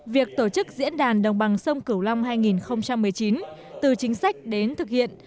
việc tổ chức diễn đàn đồng bằng sông cửu long hai nghìn một mươi chín từ chính sách đến thực hiện